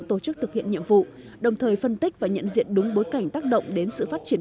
tổ chức thực hiện nhiệm vụ đồng thời phân tích và nhận diện đúng bối cảnh tác động đến sự phát triển